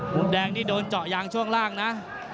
มุมแดงนี่โดนเจาะยางช่วงล่างนะ